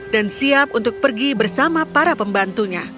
dan siap untuk pergi bersama para pembantunya